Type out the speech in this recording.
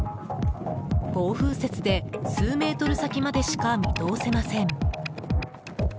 暴風雪で数メートル先までしか見通せません。